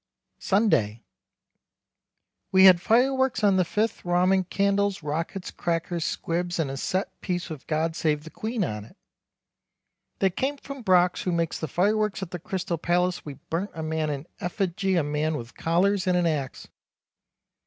Sunday. We had fireworks on the 5th romman candles rockets crackers squibs and a set piece with God Save the Queen on it. They came from Broks who makes the fireworks at the Crystal palace we burnt a man in effigee a man with collars and an axe.